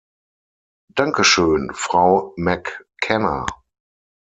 Danke schön, Frau McKenna.